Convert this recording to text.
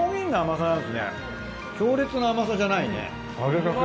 強烈な甘さじゃないね揚げたて。